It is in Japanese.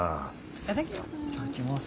いただきます。